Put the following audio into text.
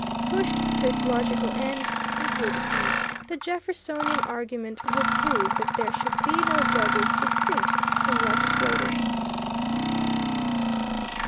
Pushed to its logical end, concluded he, the Jeffersonian argument would prove that there should be no judges distinct from legislatures.